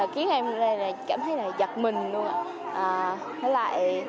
khiến em cảm thấy là giật mình luôn ạ